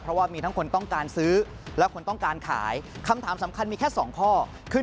เพราะว่ามีทั้งคนต้องการซื้อและคนต้องการขายคำถามสำคัญมีแค่สองข้อคือ